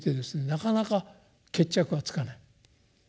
なかなか決着がつかない。